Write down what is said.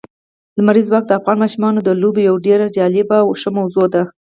لمریز ځواک د افغان ماشومانو د لوبو یوه ډېره جالبه او ښه موضوع ده.